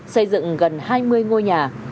xây dựng gần hai mươi ngôi nhà